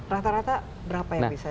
rata rata berapa yang bisa